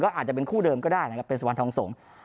อาจจะเป็นคู่เดิมก็ได้นะครับเป็นสุวรรณทองสงฆ์